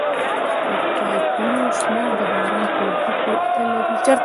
د پایپونو شمېر د باران په اوبو پورې اړه لري